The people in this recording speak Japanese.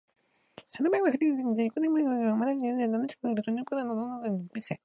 その晩は舟の中で寝て、翌朝早く起きると、また航海をつづけました。七時間ばかりすると、ニューポランドの東南端に着きました。